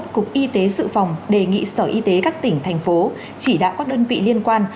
cục y tế dự phòng đề nghị sở y tế các tỉnh thành phố chỉ đạo các đơn vị liên quan